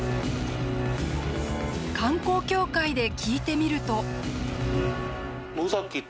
観光協会で聞いてみると。